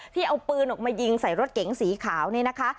ที่เอาปืนออกมายิงใส่รถเก๋งสีขาวนี่นะคะ